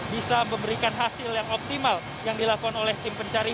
bisa memberikan hasil yang optimal yang dilakukan oleh tim pencari